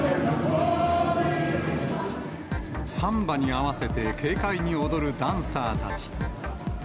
サンバに合わせて軽快に踊るダンサーたち。